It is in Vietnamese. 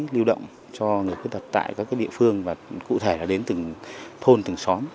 lưu động cho người khuyết tật tại các địa phương và cụ thể là đến từng thôn từng xóm